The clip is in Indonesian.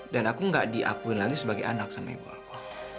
dan aku gak diakui lagi sebagai anak sama ibu aku